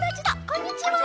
こんにちは！